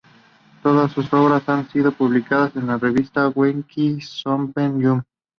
Todas sus obras han sido publicadas en la revista Weekly Shonen Jump.